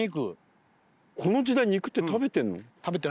この時代肉って食べてんの？